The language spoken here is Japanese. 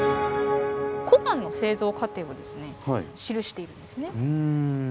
小判の製造過程をですね記しているんですね。